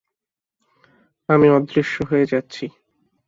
আমি অদৃশ্য হয়ে যাচ্ছি।